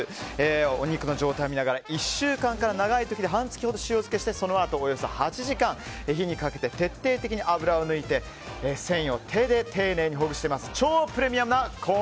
お肉の状態を見ながら１週間から長くて半月ほど塩漬けして、そのあとおよそ８時間火にかけて徹底的に脂を抜いて繊維を手で丁寧にほぐしています。